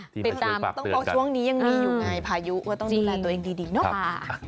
ต้องพอช่วงนี้ยังมีอยู่ไงภายุว่าต้องดูแลตัวเองดีเนอะ